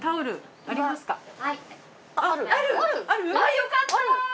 よかった！